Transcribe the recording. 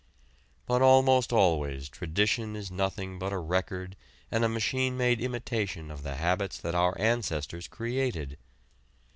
But almost always tradition is nothing but a record and a machine made imitation of the habits that our ancestors created.